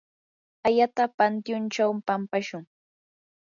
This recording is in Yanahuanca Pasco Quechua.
ayata pantyunchaw pampashun.